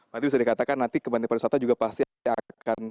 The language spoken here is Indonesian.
nanti bisa dikatakan nanti kementerian pariwisata juga pasti akan